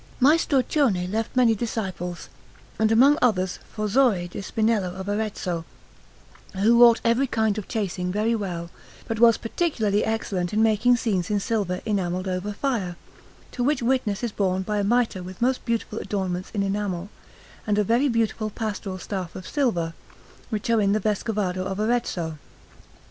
Maestro Cione left many disciples, and among others Forzore di Spinello of Arezzo, who wrought every kind of chasing very well but was particularly excellent in making scenes in silver enamelled over fire, to which witness is borne by a mitre with most beautiful adornments in enamel, and a very beautiful pastoral staff of silver, which are in the Vescovado of Arezzo.